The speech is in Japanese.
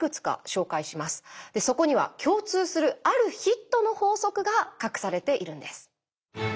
そこには共通するあるヒットの法則が隠されているんです。